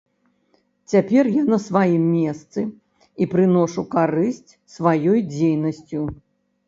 Цяпер я на сваім месцы і прыношу карысць сваёй дзейнасцю.